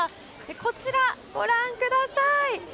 こちらご覧ください。